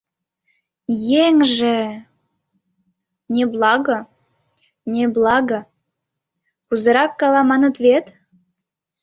Еҥже... неблаго... неблаго... кузерак гала маныт вет...